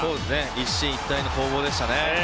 一進一退の攻防でしたね。